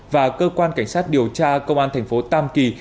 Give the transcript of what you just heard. và cơ quan cảnh sát điều tra công an thành phố tam kỳ